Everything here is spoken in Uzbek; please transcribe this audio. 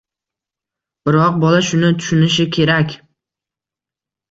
Biroq bola shuni tushunishi kerak.